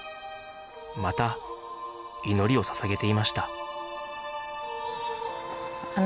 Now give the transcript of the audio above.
また祈りを捧げていました